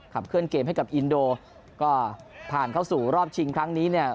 เคลื่อนเกมให้กับอินโดก็ผ่านเข้าสู่รอบชิงครั้งนี้เนี่ย